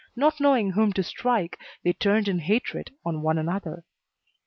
Not knowing whom to strike, they turned in hatred on one another.